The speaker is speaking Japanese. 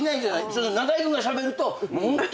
中居君がしゃべると。